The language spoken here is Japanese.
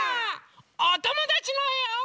おともだちのえを。